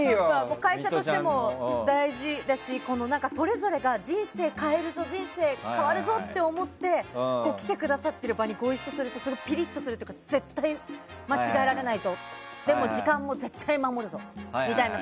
会社としても大事だしそれぞれが人生を変えるぞ人生変わるぞと思って来てくださっている場にご一緒するとピリッとするというか絶対に間違えられないぞと。